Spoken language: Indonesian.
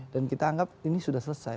dan kita anggap ini sudah selesai